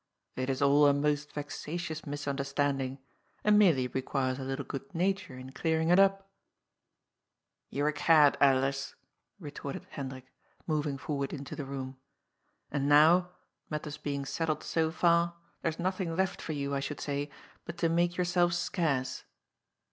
*^ It is all a most vexatious mis understanding and merely requires a little good nature in clearing it up." " You are a cad, Alers," retorted Hendrik, moving for ward into the room. *^ And now, matters being settled so &r, there is nothing left for you, I should say, but to make yourself scarce."